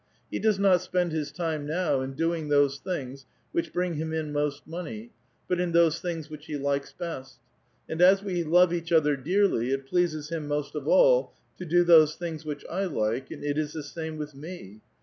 He does not spend his time now in doing those things which bring him in most money, but in those things which he likes best. And as we love each other dearly, it pleases him most of all to do those things which I like, and it is the same with me.